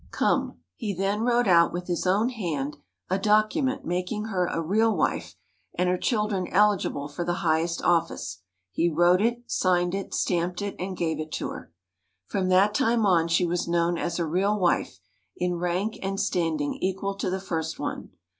Come." He then wrote out with his own hand a document making her a real wife, and her children eligible for the highest office. He wrote it, signed it, stamped it and gave it to her. From that time on she was known as a real wife, in rank and standing equal to the first one.